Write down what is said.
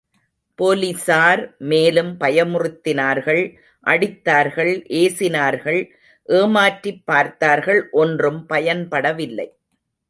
போலிஸார் மேலும் பயமுறுத்தினார்கள், அடித்தார்கள், ஏசினார்கள், ஏமாற்றிப் பார்த்தார்கள், ஒன்றும் பயன்படவில்லை.